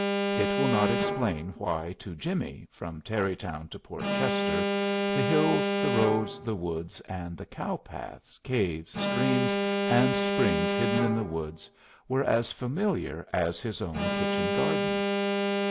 It will not explain why to Jimmie, from Tarrytown to Port Chester, the hills, the roads, the woods, and the cowpaths, caves, streams, and springs hidden in the woods were as familiar as his own kitchen garden.